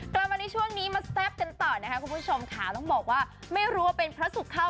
กลับมาในช่วงนี้มาแซ่บกันต่อนะคะคุณผู้ชมค่ะต้องบอกว่าไม่รู้ว่าเป็นพระสุขเข้า